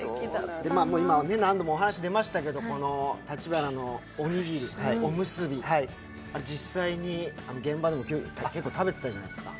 今何度もお話出ましたけれども、たちばなのおにぎり、あれ実際に現場でも結構食べてたじゃないですか。